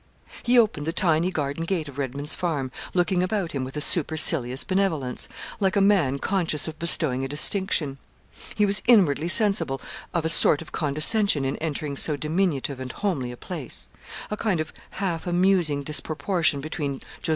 He opened the tiny garden gate of Redman's Farm, looking about him with a supercilious benevolence, like a man conscious of bestowing a distinction. He was inwardly sensible of a sort of condescension in entering so diminutive and homely a place a kind of half amusing disproportion between Jos.